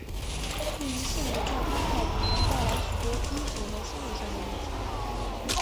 对于性的健康态度能带来许多医学和心里上的益处。